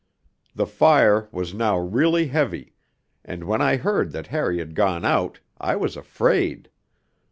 The fire was now really heavy, and when I heard that Harry had gone out, I was afraid.